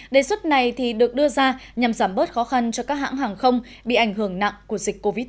đề xuất này được đưa ra nhằm giảm bớt khó khăn cho các hãng hàng không bị ảnh hưởng nặng của dịch covid một mươi chín